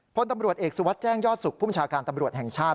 พลตำรวจเอกสุวัสดิ์แจ้งยอดสุขผู้บัญชาการตำรวจแห่งชาติ